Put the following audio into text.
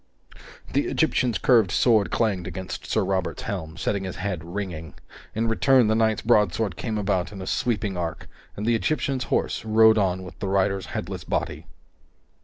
The Egyptian's curved sword clanged against Sir Robert's helm, setting his head ringing. In return, the knight's broadsword came about in a sweeping arc, and the Egyptian's horse rode on with the rider's headless body.